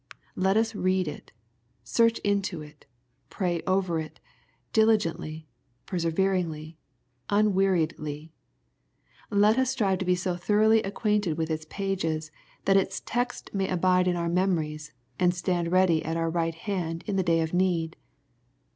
Let us read it, search into it, pray over it, diligently, perseveringly, unweariedly. Let us strive to be so thoroughly acquainted with its pages, that its text may abide in our memories, and stand ready at our right hand in the day of need.